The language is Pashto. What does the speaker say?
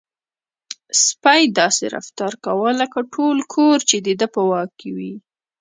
سپی داسې رفتار کاوه لکه ټول کور چې د ده په واک کې وي.